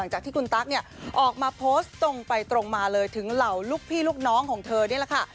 จากที่คุณตั๊กเนี่ยออกมาโพสต์ตรงไปตรงมาเลยถึงเหล่าลูกพี่ลูกน้องของเธอนี่แหละค่ะ